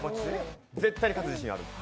絶対勝つ自信ある。